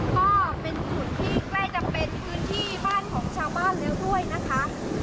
ก็เป็นจุดที่ใกล้จะเป็นพื้นที่บ้านของชาวบ้านแล้วด้วยนะคะ